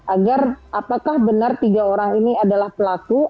agar apakah benar tiga orang ini adalah pelaku